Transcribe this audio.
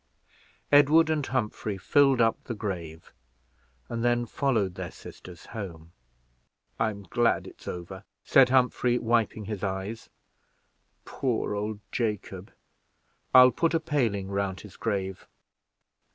Edward and Humphrey filled up the grave, and then followed their sisters home. "I'm glad it's over," said Humphrey, wiping his eyes. "Poor old Jacob! I'll put a paling round his grave."